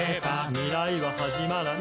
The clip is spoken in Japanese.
「未来ははじまらない」